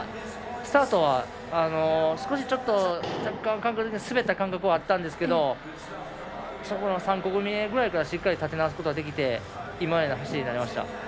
スタートは少し滑った感覚はあったんですけど３こぎ目ぐらいからしっかり立て直すことができて今のような走りになりました。